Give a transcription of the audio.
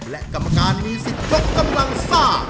และกรรมการมีสิทธิ์ยกกำลังซ่า